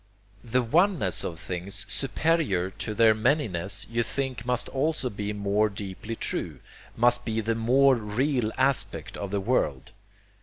The oneness of things, superior to their manyness, you think must also be more deeply true, must be the more real aspect of the world.